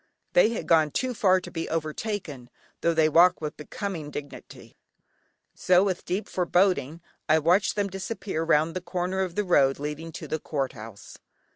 They had gone too far to be overtaken, tho' they walked with becoming dignity, so with deep foreboding, I watched them disappear round the corner of the road leading to the Court House.